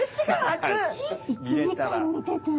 １時間見てたら。